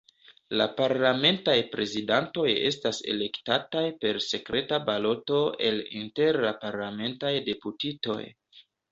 La parlamentaj prezidantoj estas elektataj per sekreta baloto el inter la parlamentaj deputitoj.